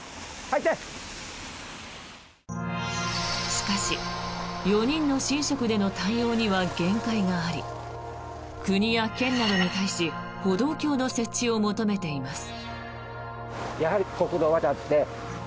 しかし、４人の神職での対応には限界があり国や県などに対し歩道橋の設置を求めています。